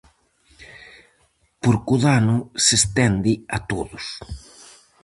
Porque o dano se estende a todos.